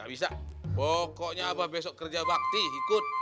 gak bisa pokoknya abah besok kerja bakti ikut